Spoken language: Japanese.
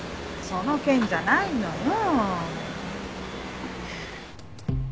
その件じゃないのよ。